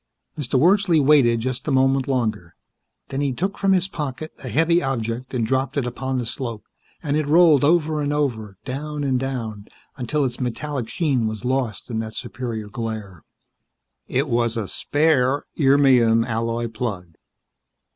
Mr. Wordsley waited just a moment longer; then he took from his pocket a heavy object and dropped it upon the slope and it rolled over and over, down and down, until its metallic sheen was lost in that superior glare. It was a spare irmium alloy plug.